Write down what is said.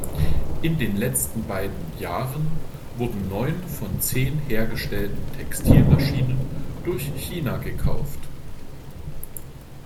In den letzten beiden Jahren wurden neun von zehn hergestellten Textilmaschinen durch China gekauft.